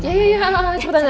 ya ya ya anang anang cepetan aja